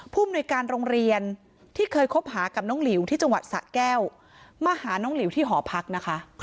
มนุยการโรงเรียนที่เคยคบหากับน้องหลิวที่จังหวัดสะแก้วมาหาน้องหลิวที่หอพักนะคะ